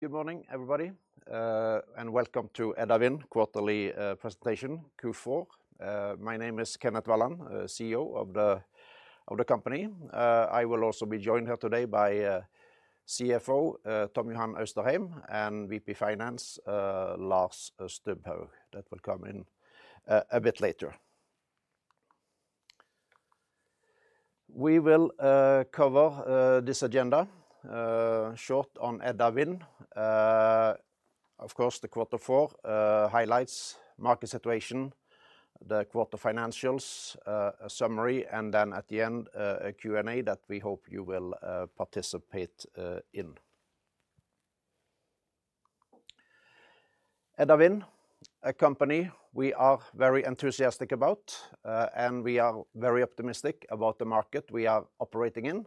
Good morning, everybody, and welcome to Edda Wind quarterly presentation, Q4. My name is Kenneth Walland, CEO of the company. I will also be joined here today by CFO Tom Johan Austrheim, and VP Finance Lars Stubhaug, that will come in a bit later. We will cover this agenda, short on Edda Wind. Of course, the quarter four highlights, market situation, the quarter financials, a summary, and then at the end, a Q&A that we hope you will participate in. Edda Wind, a company we are very enthusiastic about, and we are very optimistic about the market we are operating in.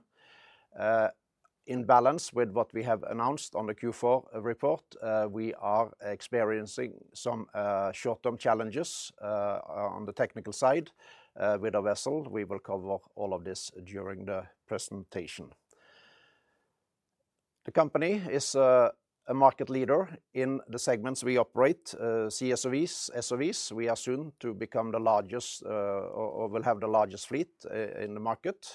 In balance with what we have announced on the Q4 report, we are experiencing some short-term challenges on the technical side with our vessel. We will cover all of this during the presentation. The company is a market leader in the segments we operate, CSOVs, SOVs. We are soon to become the largest or will have the largest fleet in the market.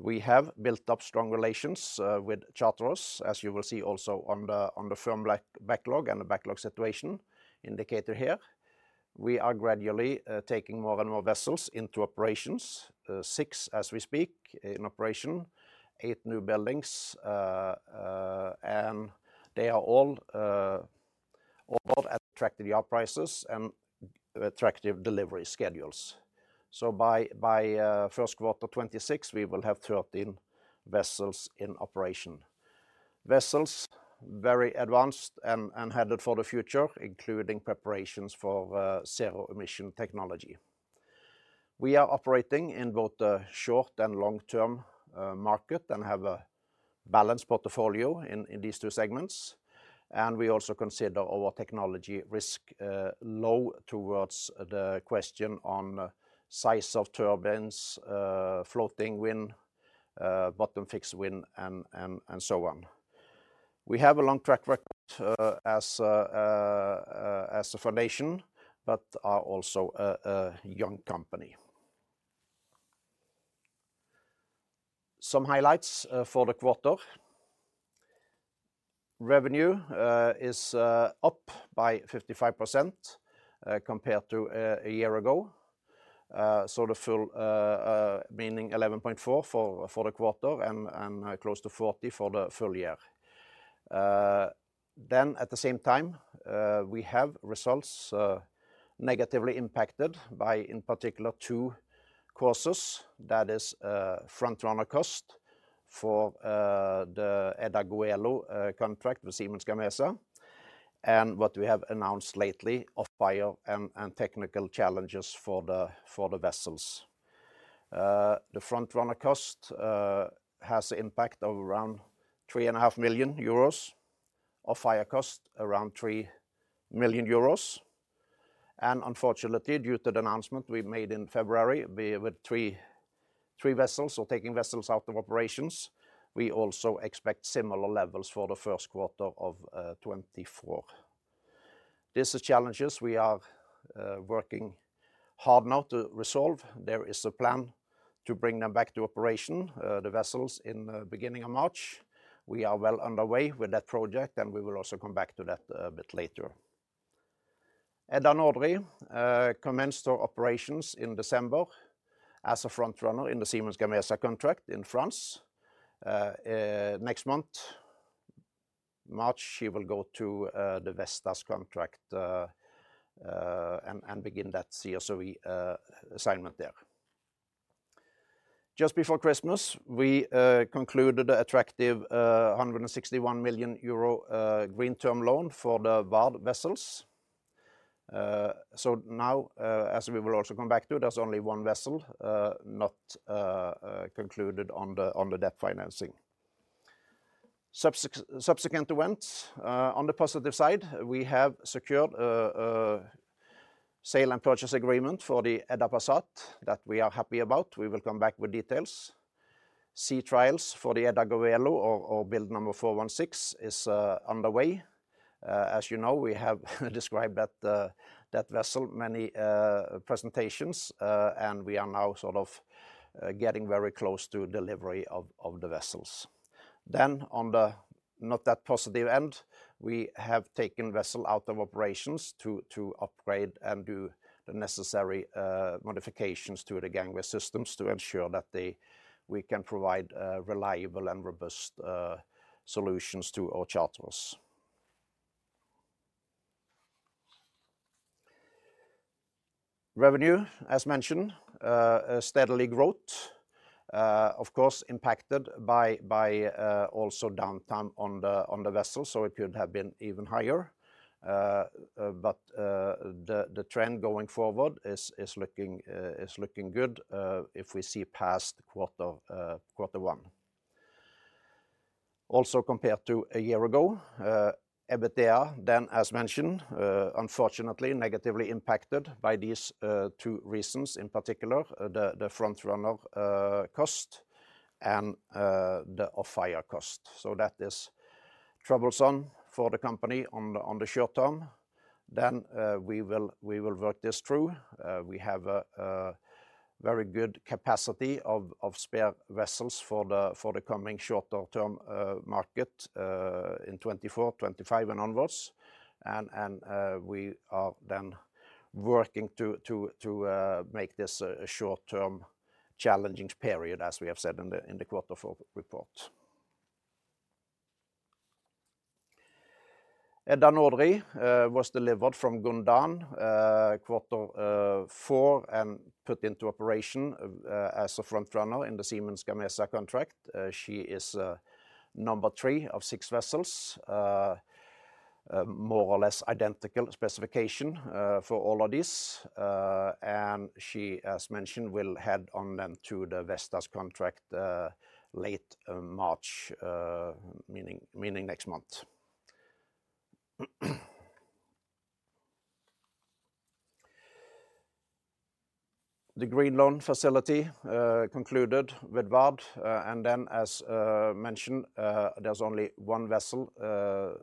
We have built up strong relations with charterers, as you will see also on the firm backlog and the backlog situation indicator here. We are gradually taking more and more vessels into operations. 6, as we speak, in operation, 8 new buildings, and they are all at attractive yard prices and attractive delivery schedules. So by first quarter 2026, we will have 13 vessels in operation. Vessels, very advanced and headed for the future, including preparations for zero-emission technology. We are operating in both the short- and long-term market, and have a balanced portfolio in these two segments. We also consider our technology risk low towards the question on size of turbines, floating wind, bottom fixed wind, and so on. We have a long track record as a foundation, but are also a young company. Some highlights for the quarter. Revenue is up by 55% compared to a year ago. So 11.4 for the quarter and close to 40 for the full year. Then at the same time, we have results negatively impacted by, in particular, two causes. That is, front runner cost for the Edda Goelo contract with Siemens Gamesa, and what we have announced lately, off-hire and technical challenges for the vessels. The front runner cost has an impact of around 3.5 million euros. Off-hire cost, around 3 million euros. And unfortunately, due to the announcement we made in February, we with three vessels, so taking vessels out of operations, we also expect similar levels for the first quarter of 2024. These are challenges we are working hard now to resolve. There is a plan to bring them back to operation, the vessels, in the beginning of March. We are well underway with that project, and we will also come back to that a bit later. Edda Nordri commenced our operations in December as a front runner in the Siemens Gamesa contract in France. Next month, March, she will go to the Vestas contract and begin that CSOV assignment there. Just before Christmas, we concluded an attractive 161 million euro green term loan for the VARD vessels. So now, as we will also come back to, there's only one vessel not concluded on the debt financing. Subsequent events, on the positive side, we have secured a sale and purchase agreement for the Edda Passat, that we are happy about. We will come back with details. Sea trials for the Edda Goelo, or build number 416, is underway. As you know, we have described that vessel many presentations, and we are now sort of getting very close to delivery of the vessels. Then on the not that positive end, we have taken vessel out of operations to upgrade and do the necessary modifications to the gangway systems to ensure that they... We can provide reliable and robust solutions to our charterers. Revenue, as mentioned, steadily growth. Of course, impacted by also downtime on the vessels, so it could have been even higher. But the trend going forward is looking good, if we see past quarter, quarter one. Also, compared to a year ago, EBITDA, then, as mentioned, unfortunately, negatively impacted by these two reasons, in particular, the front runner cost and the off-hire cost. So that is troublesome for the company on the short term. Then, we will work this through. We have a very good capacity of spare vessels for the coming short term market in 2024, 2025, and onwards. And, we are then working to make this a short-term challenging period, as we have said in the quarter four report. Edda Nordri was delivered from Gondan quarter four and put into operation as a front runner in the Siemens Gamesa contract. She is number three of six vessels. More or less identical specification for all of this. And she, as mentioned, will head on then to the Vestas contract, late March, meaning next month. The green loan facility concluded with VARD, and then as mentioned, there's only one vessel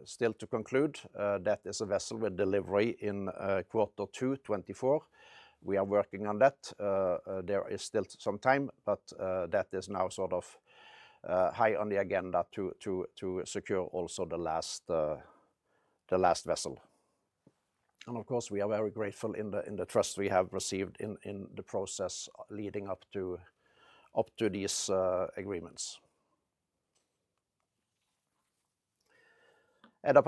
still to conclude. That is a vessel with delivery in quarter two 2024. We are working on that. There is still some time, but that is now sort of high on the agenda to secure also the last vessel. And of course, we are very grateful in the trust we have received in the process leading up to these agreements. Edda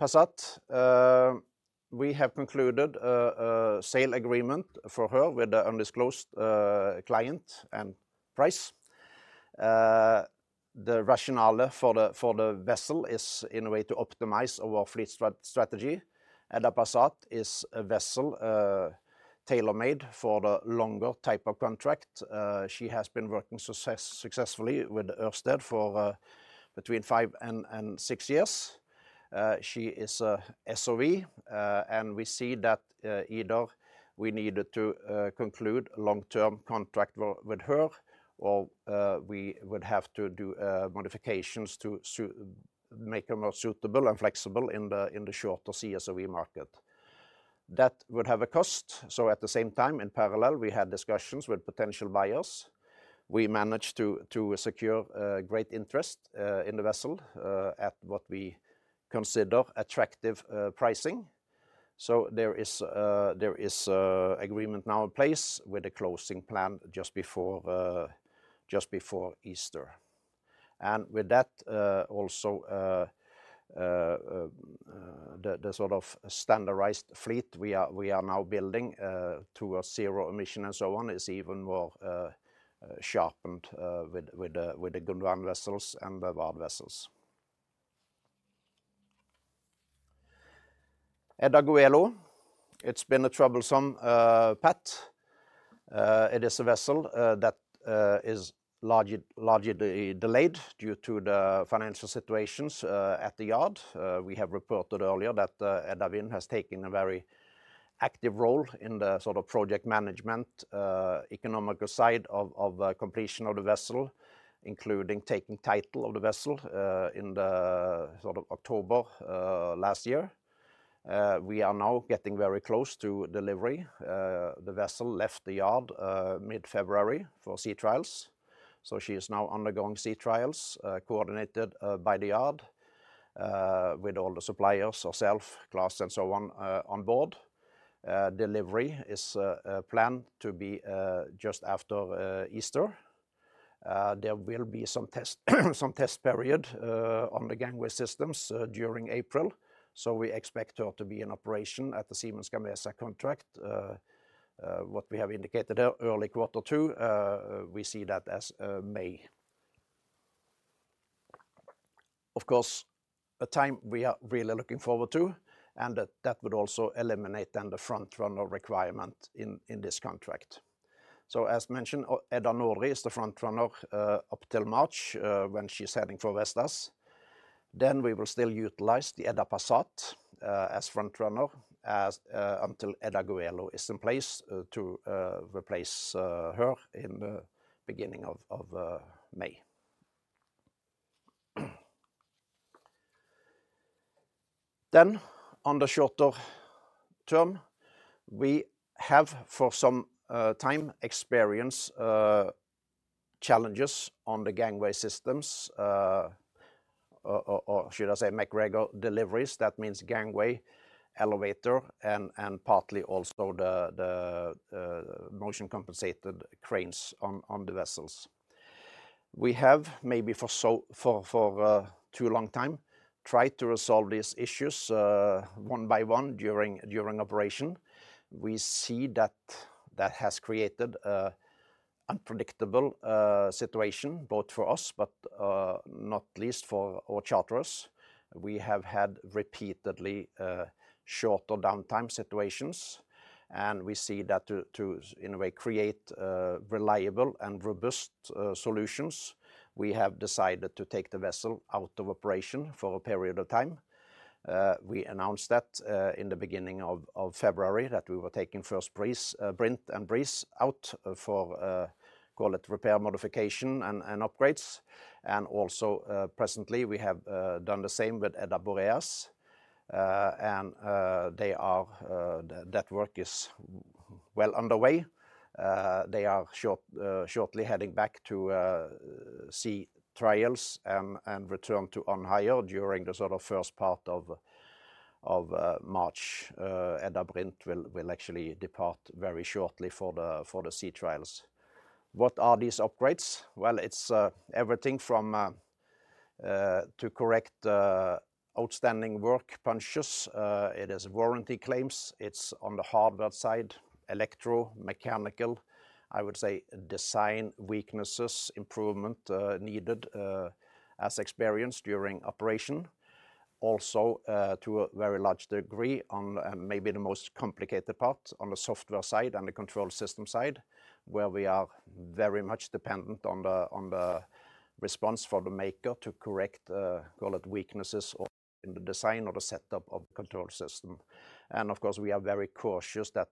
Passat, we have concluded a sale agreement for her with the undisclosed client and price. The rationale for the vessel is in a way to optimize our fleet strategy. Edda Passat is a vessel, tailor-made for the longer type of contract. She has been working successfully with Ørsted for between 5 and 6 years. She is a SOV, and we see that either we needed to conclude a long-term contract with her, or we would have to do modifications to make her more suitable and flexible in the shorter CSOV market. That would have a cost, so at the same time, in parallel, we had discussions with potential buyers. We managed to secure great interest in the vessel at what we consider attractive pricing. So there is a agreement now in place with a closing plan just before Easter. With that, also, the sort of standardized fleet we are now building towards zero-emission and so on, is even more sharpened with the Gondan vessels and the VARD vessels. Edda Goelo, it's been a troublesome pet. It is a vessel that is largely delayed due to the financial situations at the yard. We have reported earlier that Edda Wind has taken a very active role in the sort of project management, economical side of completion of the vessel, including taking title of the vessel in the sort of October last year. We are now getting very close to delivery. The vessel left the yard mid-February for sea trials, so she is now undergoing sea trials coordinated by the yard with all the suppliers ourself, class, and so on on board. Delivery is planned to be just after Easter. There will be some test period on the gangway systems during April, so we expect her to be in operation at the Siemens Gamesa contract. What we have indicated early quarter two, we see that as May. Of course, a time we are really looking forward to, and that would also eliminate then the front runner requirement in this contract. So as mentioned, Edda Nordri is the front runner up till March when she's heading for Vestas. Then we will still utilize the Edda Passat as front runner until Edda Goelo is in place to replace her in the beginning of May. Then on the shorter term, we have for some time experienced challenges on the gangway systems, or should I say MacGregor deliveries. That means gangway, elevator, and partly also the motion-compensated cranes on the vessels. We have maybe for too long a time tried to resolve these issues one by one during operation. We see that that has created an unpredictable situation both for us, but not least for our charterers. We have had repeatedly shorter downtime situations, and we see that to in a way create reliable and robust solutions, we have decided to take the vessel out of operation for a period of time. We announced that in the beginning of February that we were taking Edda Breeze and Edda Brint out for call it repair, modification, and upgrades. And also presently we have done the same with Edda Boreas. And that work is well underway. They are shortly heading back to sea trials and return to on hire during the sort of first part of March. Edda Brint will actually depart very shortly for the sea trials. What are these upgrades? Well, it's everything from to correct outstanding work punches. It is warranty claims. It's on the hardware side, electro, mechanical, I would say design weaknesses, improvement needed as experienced during operation. Also, to a very large degree on, maybe the most complicated part, on the software side and the control system side, where we are very much dependent on the, on the response for the maker to correct call it weaknesses or in the design or the setup of the control system. And of course, we are very cautious that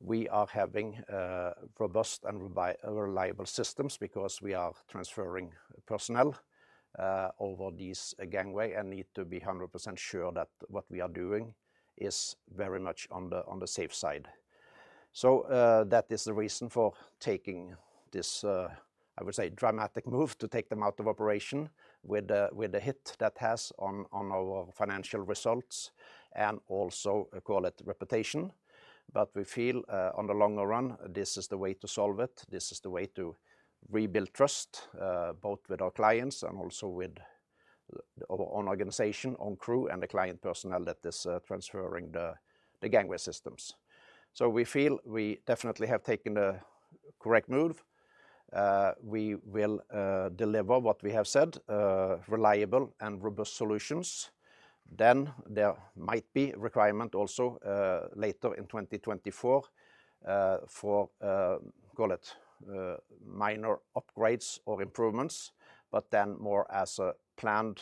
we are having robust and reliable systems because we are transferring personnel over these gangway and need to be 100% sure that what we are doing is very much on the, on the safe side. So, that is the reason for taking this, I would say, dramatic move to take them out of operation with the hit that has on our financial results, and also, call it reputation. But we feel, on the longer run, this is the way to solve it. This is the way to rebuild trust, both with our clients and also with our own organization, own crew, and the client personnel that is transferring the gangway systems. So we feel we definitely have taken the correct move. We will deliver what we have said, reliable and robust solutions. Then there might be requirement also later in 2024 for, call it, minor upgrades or improvements, but then more as a planned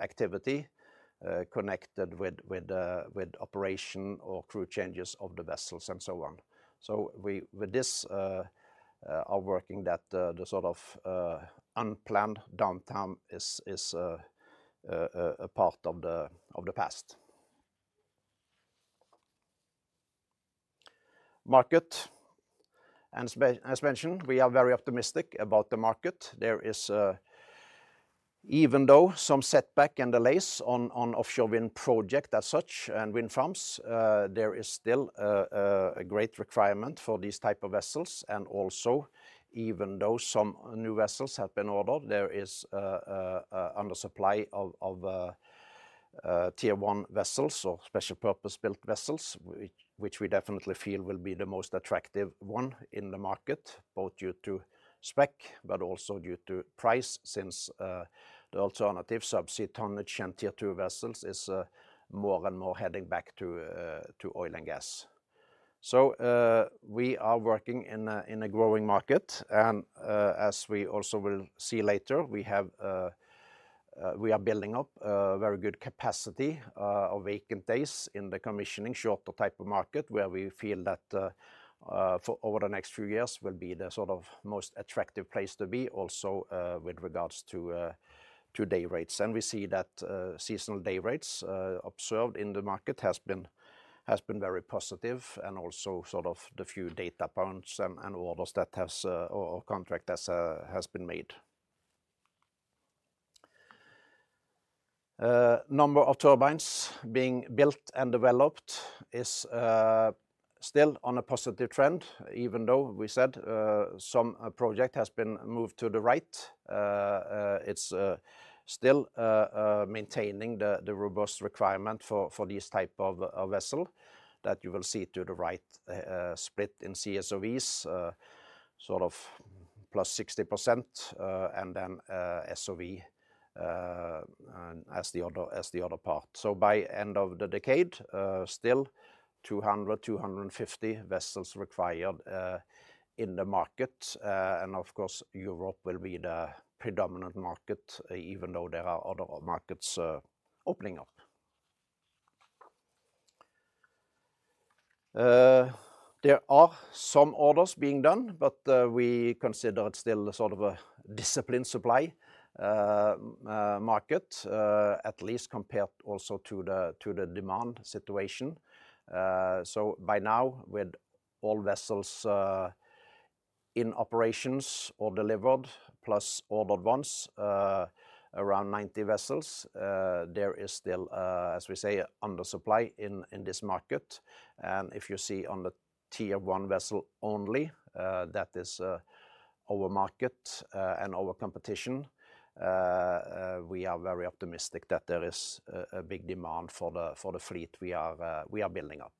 activity connected with operation or crew changes of the vessels and so on. So we with this are working that the sort of unplanned downtime is a part of the past. Market. As mentioned, we are very optimistic about the market. There is, even though some setback and delays on offshore wind project as such and wind farms, there is still a great requirement for these type of vessels, and also, even though some new vessels have been ordered, there is a undersupply of Tier 1 vessels or special purpose-built vessels, which we definitely feel will be the most attractive one in the market, both due to spec, but also due to price, since the alternative subsea tonnage and Tier 2 vessels is more and more heading back to oil and gas. So, we are working in a growing market, and, as we also will see later, we have, we are building up a very good capacity of vacant days in the commissioning shorter type of market, where we feel that, for over the next few years will be the sort of most attractive place to be also, with regards to, to day rates. And we see that, seasonal day rates observed in the market has been, has been very positive and also sort of the few data points and, and orders that has, or contract that's, has been made. Number of turbines being built and developed is, still on a positive trend, even though we said, some project has been moved to the right. It's still maintaining the robust requirement for these type of vessel that you will see to the right, split in CSOVs, sort of plus 60%, and then SOV and as the other part. So by end of the decade, still 200-250 vessels required in the market. And of course, Europe will be the predominant market, even though there are other markets opening up. There are some orders being done, but we consider it still a sort of a disciplined supply market, at least compared also to the demand situation. So by now, with all vessels in operations or delivered, plus ordered ones, around 90 vessels, there is still, as we say, under supply in this market. And if you see on the Tier 1 vessel only, that is our market and our competition, we are very optimistic that there is a big demand for the fleet we are building up.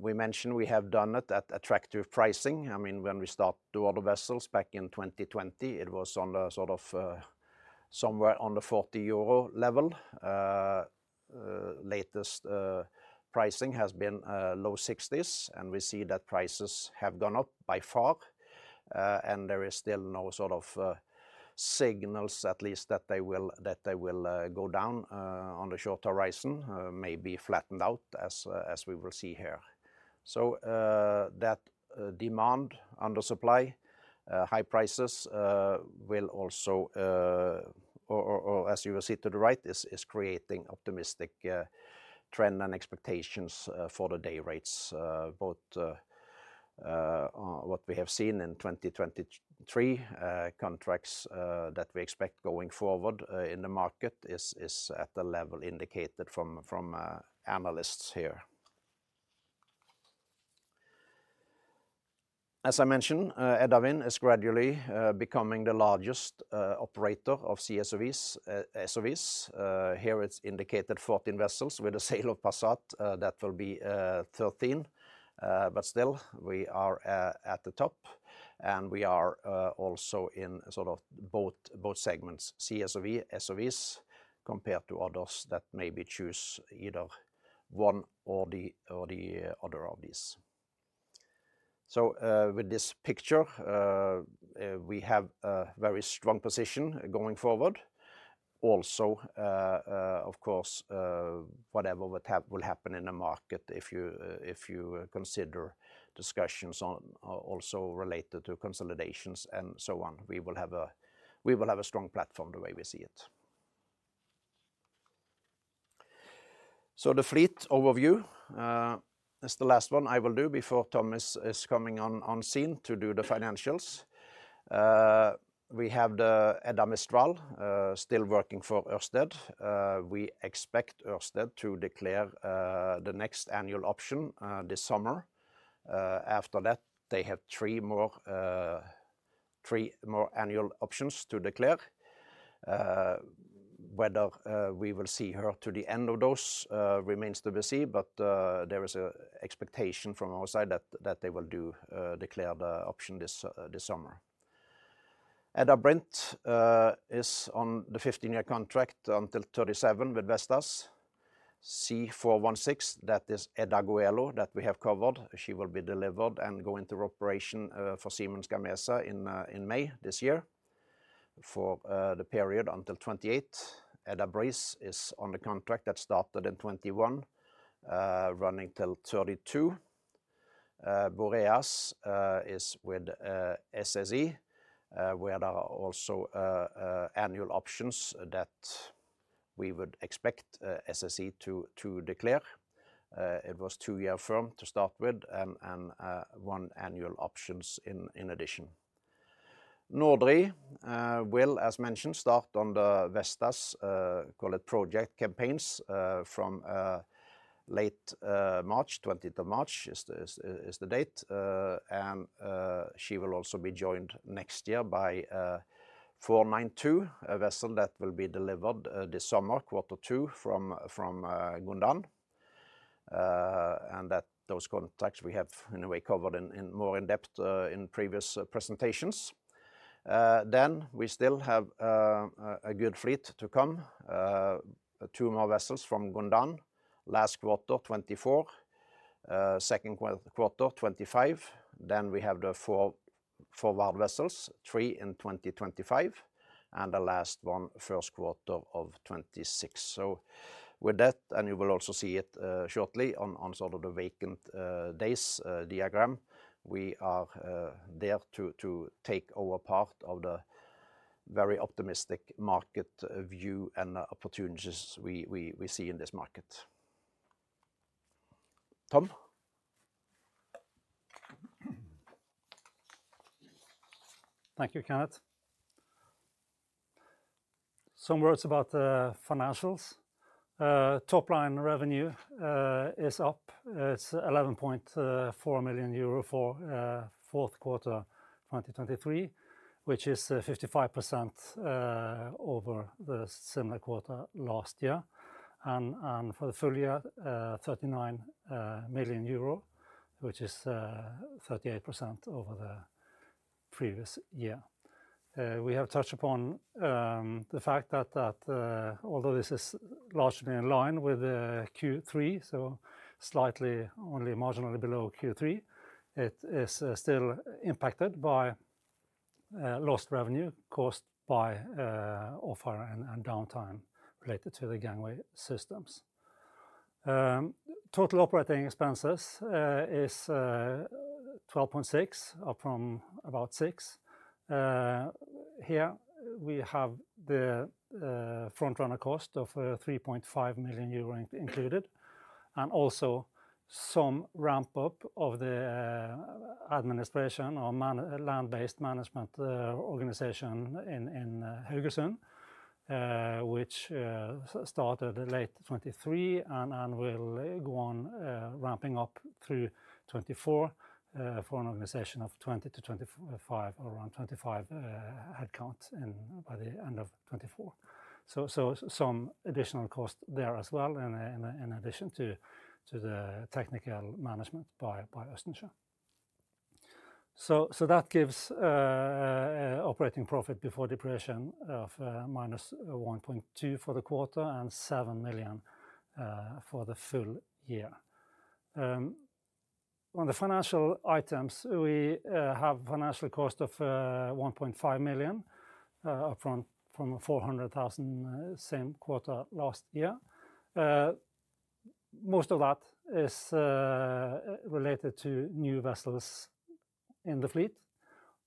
We mentioned we have done it at attractive pricing. I mean, when we start to order vessels back in 2020, it was on the sort of somewhere on the 40 euro level. Latest pricing has been low 60s, and we see that prices have gone up by far, and there is still no sort of signals at least that they will go down on the short horizon. Maybe flattened out as we will see here. So that demand under supply high prices will also or as you will see to the right is creating optimistic trend and expectations for the day rates. Both what we have seen in 2023 contracts that we expect going forward in the market is at the level indicated from analysts here. As I mentioned, Edda Wind is gradually becoming the largest operator of CSOV SOVs. Here it's indicated 14 vessels. With the sale of Passat, that will be 13. But still, we are at the top, and we are also in sort of both segments, CSOV, SOVs, compared to others that maybe choose either one or the other of these. So, with this picture, we have a very strong position going forward. Also, of course, whatever would happen in the market, if you consider discussions on also related to consolidations and so on, we will have a strong platform the way we see it. So the fleet overview is the last one I will do before Tom is coming on scene to do the financials. We have the Edda Mistral still working for Ørsted. We expect Ørsted to declare the next annual option this summer. After that, they have three more annual options to declare. Whether we will see her to the end of those remains to be seen, but there is a expectation from our side that they will do declare the option this summer. Edda Brint is on the 15-year contract until 2037 with Vestas. C416, that is Edda Goelo that we have covered. She will be delivered and go into operation for Siemens Gamesa in May this year for the period until 2028. Edda Breeze is on the contract that started in 2021 running till 2032. Boreas is with SSE, where there are also annual options that we would expect SSE to declare. It was two-year firm to start with and one annual options in addition. Nordri will, as mentioned, start on the Vestas call it project campaigns from late March, 20th of March is the date. And she will also be joined next year by 492, a vessel that will be delivered this summer, quarter two, from Gondan. And that those contracts we have, in a way, covered in more in depth in previous presentations. Then we still have a good fleet to come. Two more vessels from Gondan, last quarter 2024, second quarter 2025. Then we have the four vessels, three in 2025, and the last one first quarter of 2026. So with that, and you will also see it shortly on sort of the vacant days diagram, we are there to take over part of the very optimistic market view and opportunities we see in this market. Tom? Thank you, Kenneth. Some words about the financials. Top line revenue is up. It's 11.4 million euro for fourth quarter 2023, which is 55% over the similar quarter last year. And for the full year, 39 million euro, which is 38% over the previous year. We have touched upon the fact that although this is largely in line with the Q3, so slightly, only marginally below Q3, it is still impacted by lost revenue caused by off hire and downtime related to the gangway systems. Total operating expenses is 12.6 million, up from about 6 million. Here we have the front runner cost of 3.5 million euro included, and also some ramp up of the administration or land-based management organization in Haugesund, which started late 2023 and will go on ramping up through 2024, for an organization of 20-25 or around 25 headcount in by the end of 2024. Some additional cost there as well, in addition to the technical management by Østensjø. That gives an operating profit before depreciation of -1.2 million for the quarter and 7 million for the full year. On the financial items, we have financial cost of 1.5 million, up from 400 thousand same quarter last year. Most of that is related to new vessels in the fleet.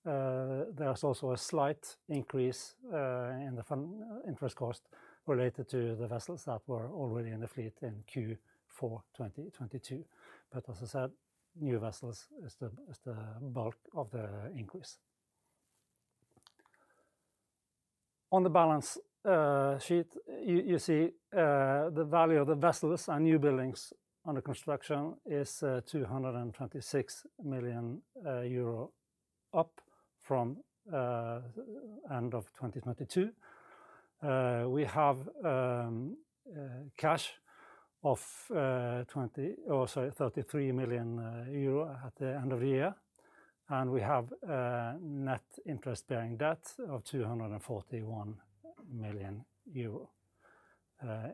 There is also a slight increase in the interest cost related to the vessels that were already in the fleet in Q4 2022. But as I said, new vessels is the bulk of the increase. On the balance sheet, you see the value of the vessels and new buildings under construction is 226 million euro, up from end of 2022. We have cash of 33 million euro at the end of the year, and we have a net interest-bearing debt of 241 million euro.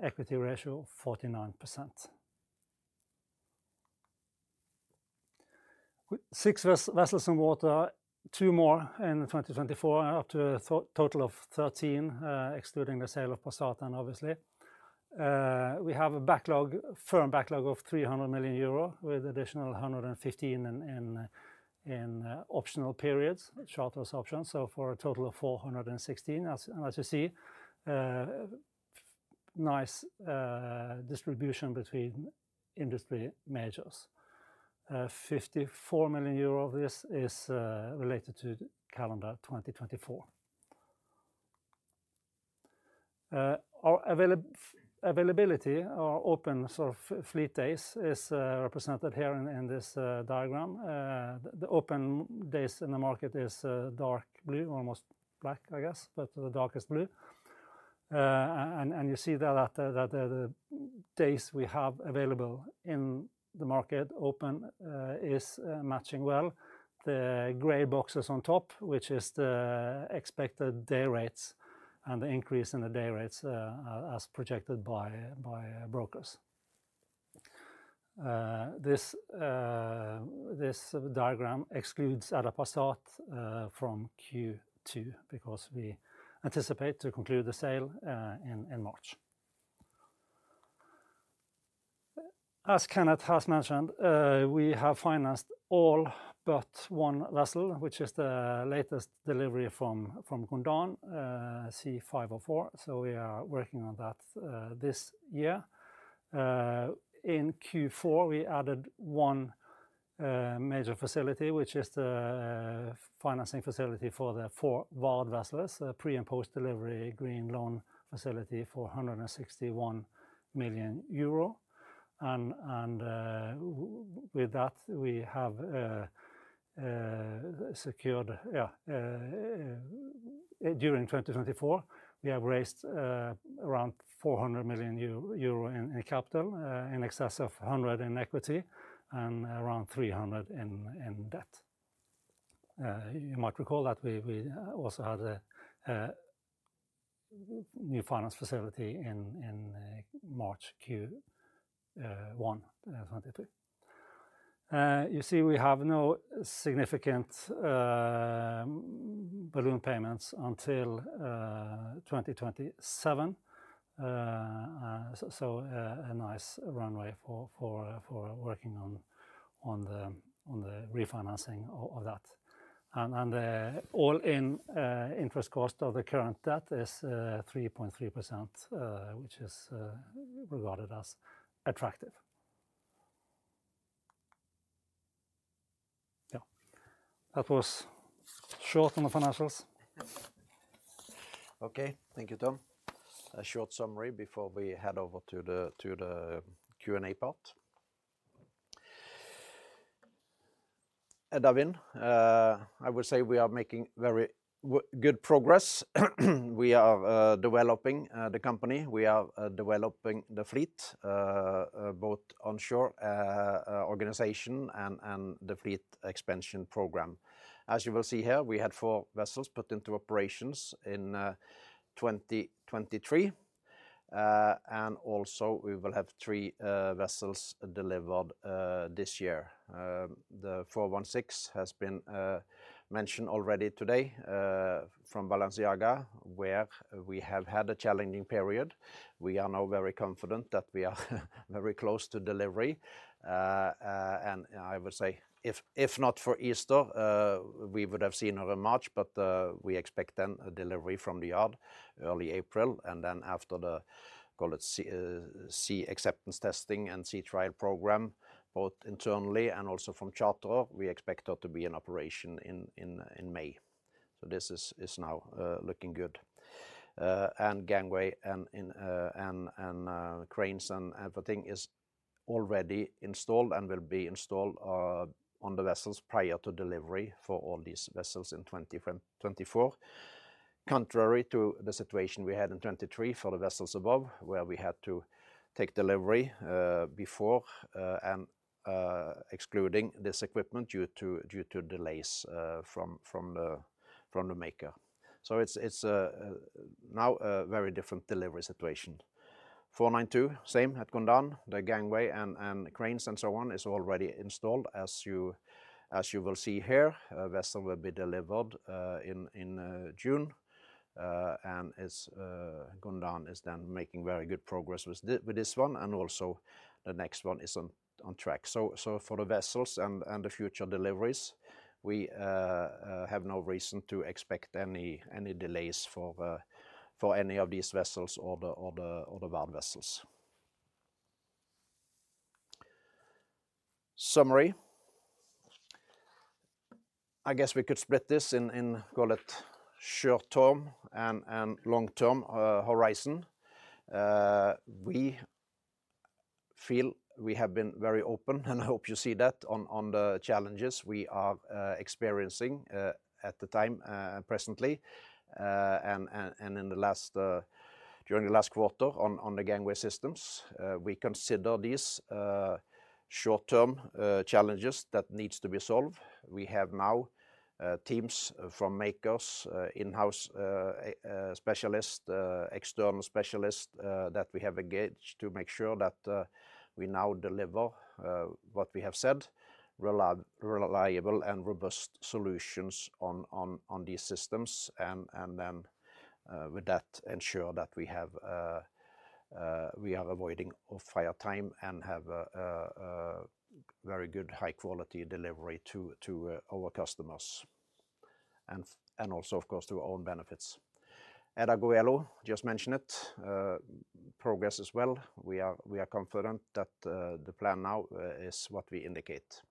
Equity ratio, 49%. Six vessels in water, two more in 2024, up to a total of 13, excluding the sale of Passat obviously. We have a backlog, firm backlog of 300 million euro, with additional 115 in optional periods, charter options, so for a total of 416. As you see, nice distribution between industry majors. 54 million euro of this is related to calendar 2024. Our availability, our open sort of fleet days is represented here in this diagram. The open days in the market is dark blue, almost black, I guess, but the darkest blue. And you see there that the days we have available in the market open is matching well. The gray boxes on top, which is the expected day rates and the increase in the day rates as projected by brokers. This diagram excludes Edda Passat from Q2, because we anticipate to conclude the sale in March. As Kenneth has mentioned, we have financed all but one vessel, which is the latest delivery from Gondan, C504, so we are working on that this year. In Q4, we added one major facility, which is the financing facility for the 4 VARD vessels, a pre- and post-delivery green loan facility for 161 million euro. And with that, we have secured. Yeah, during 2024, we have raised around 400 million euro in capital, in excess of 100 in equity and around 300 in debt. You might recall that we also had a new finance facility in March Q1, 2022. You see, we have no significant balloon payments until 2027. So, a nice runway for working on the refinancing of that. All-in interest cost of the current debt is 3.3%, which is regarded as attractive. Yeah, that was short on the financials. Okay, thank you, Tom. A short summary before we head over to the Q&A part. Davin, I would say we are making very good progress. We are developing the company. We are developing the fleet, both onshore organization and the fleet expansion program. As you will see here, we had four vessels put into operations in 2023, and also we will have three vessels delivered this year. The 416 has been mentioned already today from Balenciaga, where we have had a challenging period. We are now very confident that we are very close to delivery. And I would say if not for Easter, we would have seen her in March, but we expect then a delivery from the yard early April, and then after the, call it, sea acceptance testing and sea trial program, both internally and also from charter, we expect her to be in operation in May. So this is now looking good. And gangway and cranes and everything is already installed and will be installed on the vessels prior to delivery for all these vessels in 2024. Contrary to the situation we had in 2023 for the vessels above, where we had to take delivery before and excluding this equipment due to delays from the maker. So it's now a very different delivery situation. 492, same at Gondan, the gangway and cranes and so on is already installed, as you will see here. Vessel will be delivered in June and is Gondan is then making very good progress with this one, and also the next one is on track. So for the vessels and the future deliveries, we have no reason to expect any delays for any of these vessels or the VARD vessels. Summary. I guess we could split this in, call it short term and long term horizon. We feel we have been very open, and I hope you see that on the challenges we are experiencing at the time, presently, and during the last quarter on the gangway systems. We consider these short-term challenges that needs to be solved. We have now teams from makers in-house, a specialist, external specialist that we have engaged to make sure that we now deliver what we have said, reliable and robust solutions on these systems. And then with that ensure that we have we are avoiding offhire time and have a very good high quality delivery to our customers, and also, of course, to our own benefits. Edda Goelo, just mention it, progress as well. We are confident that the plan now is what we indicate.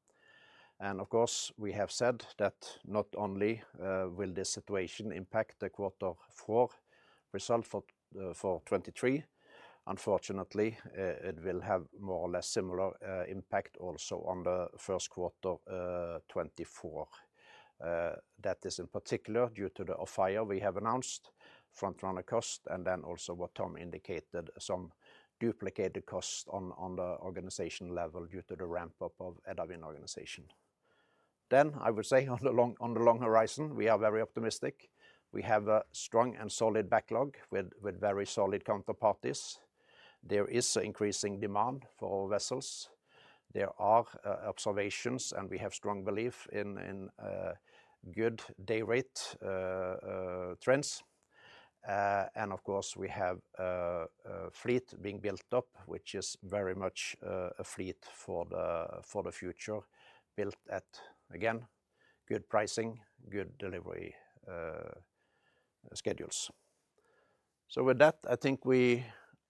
And of course, we have said that not only will this situation impact the quarter four result for 2023, unfortunately, it will have more or less similar impact also on the first quarter 2024. That is in particular due to the off-hire we have announced, front runner cost, and then also what Tom indicated, some duplicated cost on the organization level due to the ramp up of Edda Wind organization. Then I would say on the long horizon, we are very optimistic. We have a strong and solid backlog with very solid counterparties. There is increasing demand for our vessels. There are observations, and we have strong belief in good day rate trends. And of course, we have a fleet being built up, which is very much a fleet for the future, built at, again, good pricing, good delivery schedules. So with that, I think we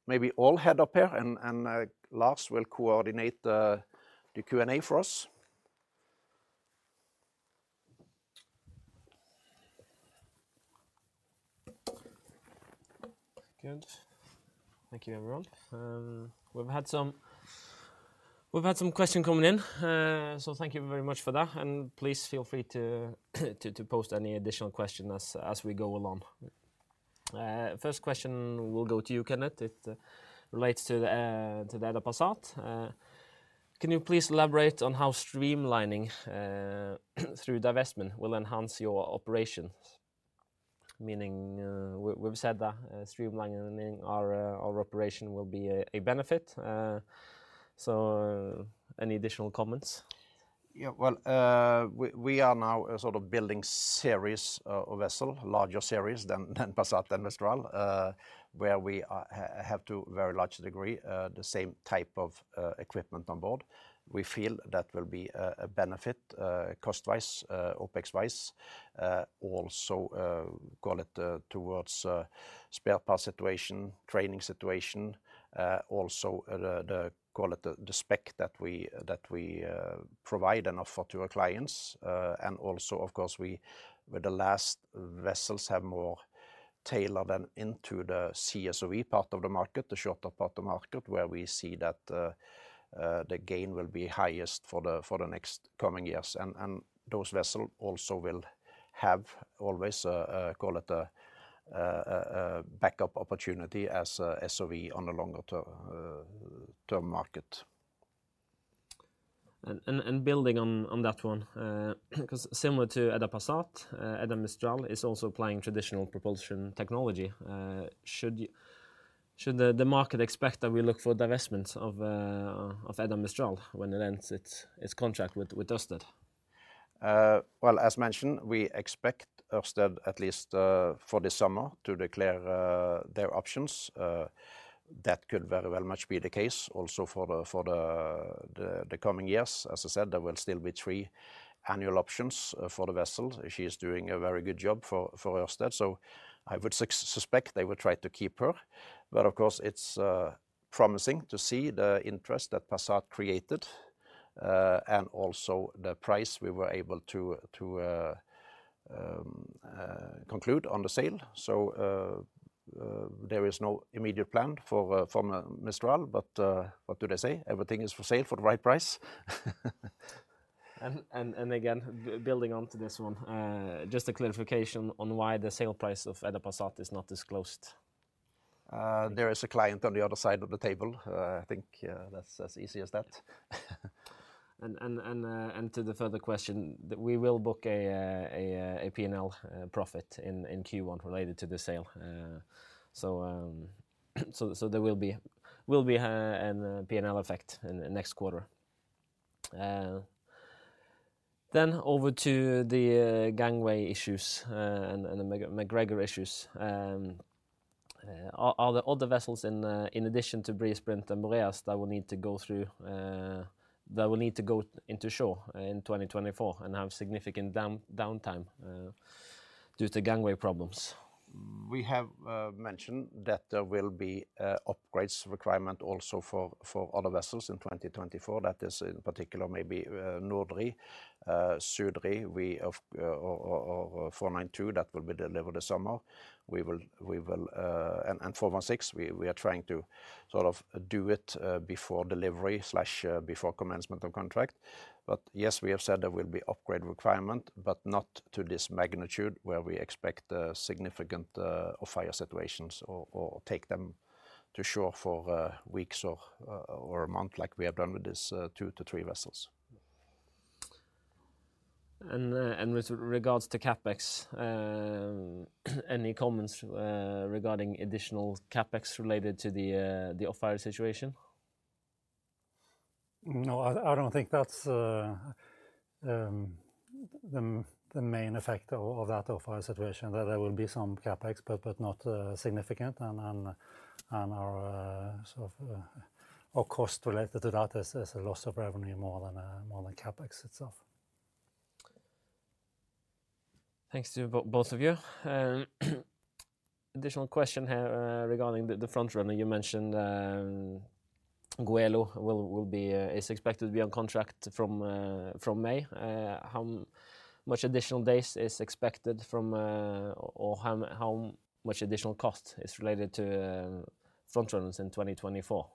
maybe all head up here, and Lars will coordinate the Q&A for us. Good. Thank you, everyone. We've had some questions coming in, so thank you very much for that, and please feel free to post any additional questions as we go along. First question will go to you, Kenneth. It relates to the Edda Passat. Can you please elaborate on how streamlining through divestment will enhance your operations? Meaning, we've said that streamlining our operation will be a benefit. So any additional comments? Yeah, well, we are now sort of building series of vessel, larger series than Passat and Mistral, where we have to a very large degree the same type of equipment on board. We feel that will be a benefit cost-wise OpEx-wise. Also, call it towards spare part situation, training situation, also the call it the spec that we provide and offer to our clients. And also, of course, we with the last vessels have more tailored and into the CSOV part of the market, the shorter part of the market, where we see that the gain will be highest for the next coming years. Those vessels also will have always a call it a backup opportunity as a SOV on the longer term market. Building on that one, 'cause similar to Edda Passat, Edda Mistral is also applying traditional propulsion technology. Should the market expect that we look for divestments of Edda Mistral when it ends its contract with Ørsted? Well, as mentioned, we expect Ørsted, at least, for this summer, to declare their options. That could very well much be the case also for the coming years. As I said, there will still be three annual options for the vessel. She is doing a very good job for Ørsted, so I would suspect they would try to keep her. But of course, it's promising to see the interest that Passat created, and also the price we were able to conclude on the sale. So, there is no immediate plan for Mistral, but what do they say? Everything is for sale for the right price. Again, building on to this one, just a clarification on why the sale price of Edda Passat is not disclosed. There is a client on the other side of the table. I think that's as easy as that. To the further question, we will book a P&L profit in Q1 related to the sale. So there will be a P&L effect in the next quarter. Then over to the gangway issues and the MacGregor issues. Are there other vessels in addition to Breeze, Brint, and Boreas that will need to go into shore in 2024 and have significant downtime due to gangway problems? We have mentioned that there will be upgrades requirement also for other vessels in 2024. That is, in particular, maybe Nordri, Sudri, or 492, that will be delivered this summer. We will... And 416, we are trying to sort of do it before delivery slash before commencement of contract. But yes, we have said there will be upgrade requirement, but not to this magnitude, where we expect a significant off-hire situations or take them to shore for weeks or a month, like we have done with this two to three vessels. With regards to CapEx, any comments regarding additional CapEx related to the off-hire situation? No, I don't think that's the main effect of that off-hire situation, that there will be some CapEx, but not significant. Our cost related to that is a loss of revenue more than CapEx itself. Thanks to both of you. Additional question here, regarding the front runner. You mentioned, Goelo will be expected to be on contract from May. How much additional days is expected from, or how much additional cost is related to, front runners in 2024?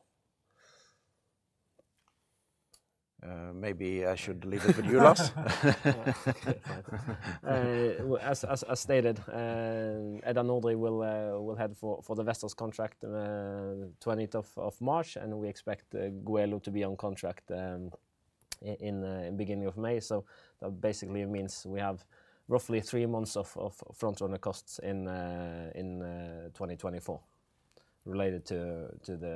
Maybe I should leave it with you, Lars. As stated, Edda Nordri will head for the vessel's contract 20th of March, and we expect Goelo to be on contract in beginning of May. That basically means we have roughly three months of front runner costs in 2024 related to the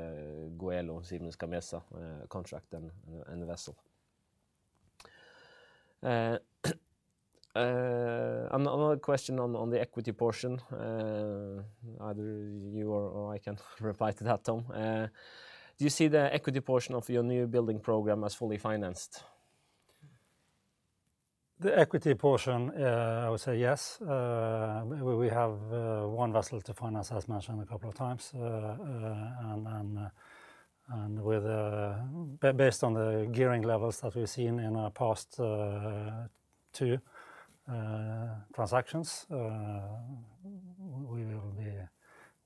Goelo Siemens Gamesa contract and the vessel. Another question on the equity portion, either you or I can reply to that, Tom. Do you see the equity portion of your new building program as fully financed? The equity portion, I would say yes. We have one vessel to finance, as mentioned a couple of times. Based on the gearing levels that we've seen in our past two transactions, we will be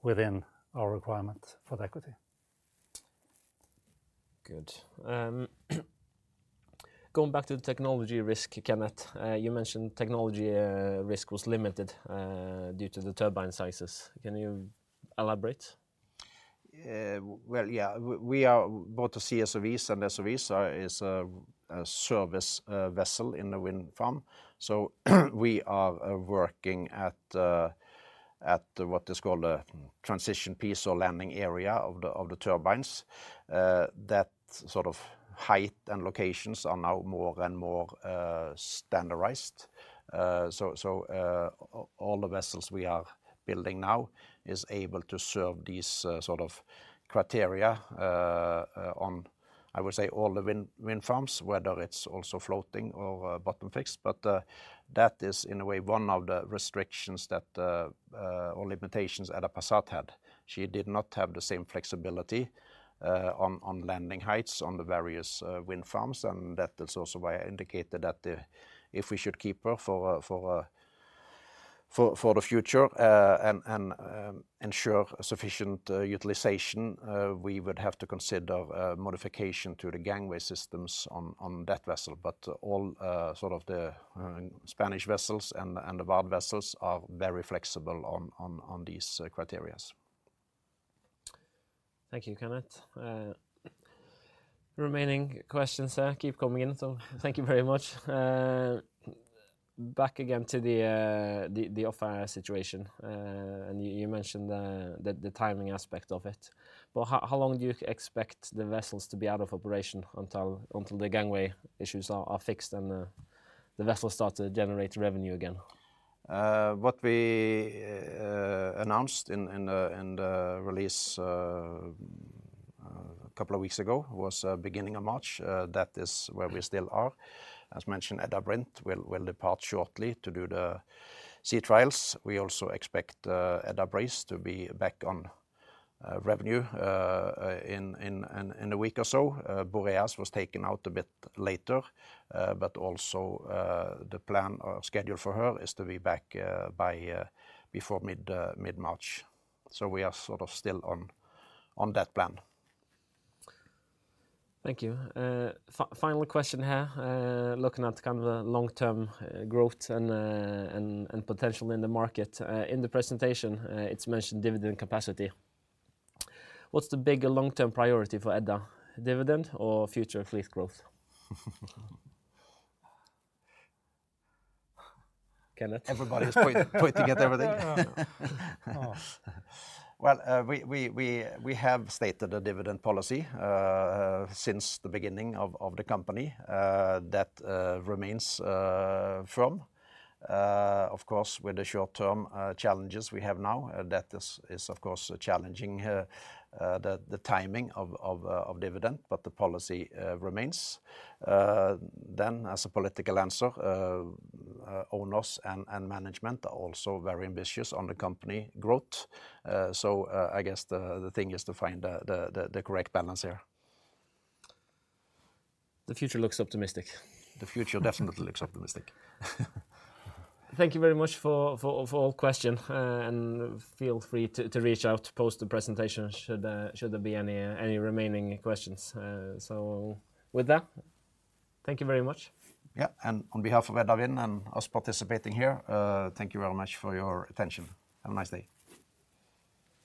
within our requirement for the equity. Good. Going back to the technology risk, Kenneth, you mentioned technology risk was limited due to the turbine sizes. Can you elaborate? Well, yeah. We are both the CSOVs and SOV, so it's a service vessel in the wind farm. So we are working at the what is called a transition piece or landing area of the turbines. That sort of height and locations are now more and more standardized. So all the vessels we are building now is able to serve these sort of criteria, on, I would say, all the wind farms, whether it's also floating or bottom fixed. But that is, in a way, one of the restrictions that or limitations Edda Passat had. She did not have the same flexibility on landing heights on the various wind farms, and that is also why I indicated that if we should keep her for the future and ensure sufficient utilization, we would have to consider modification to the gangway systems on that vessel. But all sort of the Spanish vessels and the VARD vessels are very flexible on these criteria. Thank you, Kenneth. Remaining questions keep coming in, so thank you very much. Back again to the off-hire situation, and you mentioned the timing aspect of it. But how long do you expect the vessels to be out of operation until the gangway issues are fixed, and the vessels start to generate revenue again? What we announced in the release a couple of weeks ago was beginning of March. That is where we still are. As mentioned, Edda Brint will depart shortly to do the sea trials. We also expect Edda Breeze to be back on revenue in a week or so. Edda Boreas was taken out a bit later, but also, the plan or schedule for her is to be back by before mid-March. So we are sort of still on that plan. Thank you. Final question here. Looking at kind of the long-term growth and potential in the market. In the presentation, it's mentioned dividend capacity. What's the bigger long-term priority for Edda, dividend or future fleet growth? Kenneth? Everybody is pointing, pointing at everything. Oh. Well, we have stated a dividend policy since the beginning of the company that remains firm. Of course, with the short-term challenges we have now, that is, of course, challenging the timing of dividend, but the policy remains. Then, as a political answer, owners and management are also very ambitious on the company growth. So, I guess the thing is to find the correct balance here. The future looks optimistic. The future definitely looks optimistic. Thank you very much for all questions, and feel free to reach out post the presentation should there be any remaining questions. So with that, thank you very much. Yeah, and on behalf of Edda Wind and us participating here, thank you very much for your attention. Have a nice day!